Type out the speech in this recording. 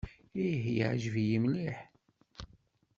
Ih, yeɛjeb-iyi mliḥ.